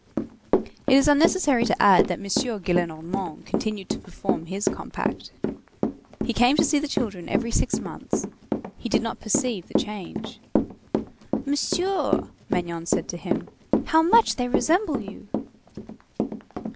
It is unnecessary to add that M. Gillenormand continued to perform his compact. He came to see the children every six months. He did not perceive the change. "Monsieur," Magnon said to him, "how much they resemble you!"